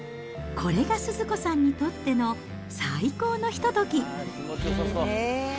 これがスズ子さんにとっての最高のひと時。